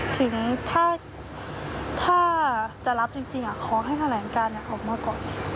ถึงถ้าจะรับจริงขอให้แถลงการออกมาก่อน